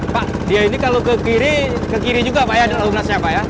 pak dia ini kalau ke kiri ke kiri juga pak ya lunasnya pak ya